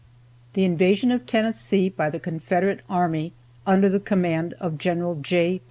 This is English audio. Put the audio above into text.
The invasion of Tennessee by the Confederate army under the command of Gen. J.